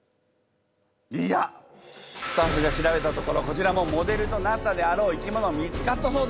いやスタッフが調べたところこちらもモデルとなったであろう生きもの見つかったそうです。